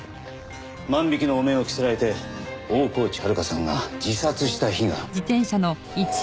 万引きの汚名を着せられて大河内遥さんが自殺した日が。